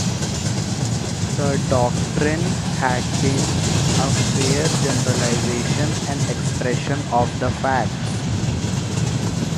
The doctrine had been a fair generalization and expression of the facts.